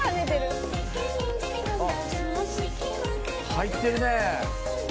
入ってるね。